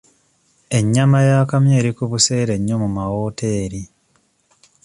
Ennyama y'akamyu eri ku buseere nnyo mu mawooteri.